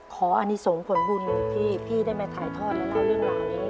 ขออันนี้ส่งผลบุญที่พี่ได้มาถ่ายทอดและเล่าเรื่องราวนี้